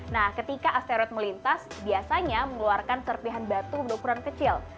nah ketika asteroid melintas biasanya mengeluarkan serpihan batu berukuran kecil